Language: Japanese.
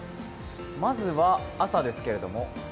まずは朝ですけれども？